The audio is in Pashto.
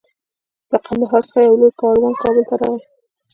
له قندهار څخه یو لوی کاروان کابل ته راغی.